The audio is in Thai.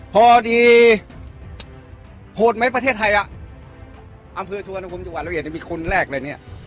พอดีโหดไหมประเทศไทยอะอำพืชมีคุณแรกเลยเนี่ย